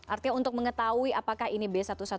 artinya untuk mengetahui apakah ini b satu ratus dua belas